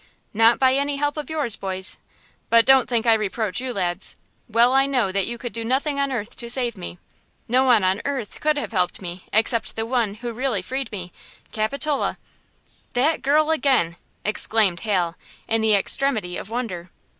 "Not by any help of yours, boys! But don't think I reproach you, lads! Well I know that you could do nothing on earth to save me! No one on earth could have helped me except the one who really freed me–Capitola!" "That girl again!" exclaimed Hal, in the extremity of wonder.